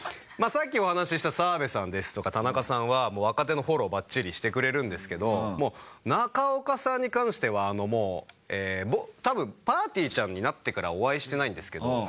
さっきお話しした澤部さんですとか田中さんは若手のフォローバッチリしてくれるんですけど中岡さんに関してはもう多分ぱーてぃーちゃんになってからお会いしてないんですけど